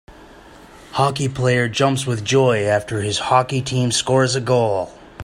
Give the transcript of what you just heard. Hockey player jumps with joy after his hockey team scores a goal.